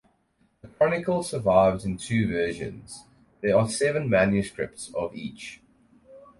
The chronicle survives in two versions; there are seven manuscripts of each.